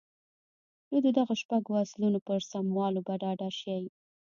نو د دغو شپږو اصلونو پر سموالي به ډاډه شئ.